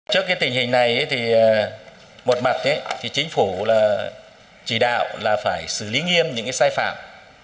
trước cái tình hình này thì một mặt thì chính phủ là chỉ đạo là phải xử lý nghiêm những cái sai phạm